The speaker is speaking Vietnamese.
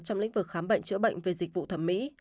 trong lĩnh vực khám bệnh chữa bệnh về dịch vụ thẩm mỹ